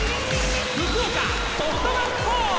福岡ソフトバンクホークス！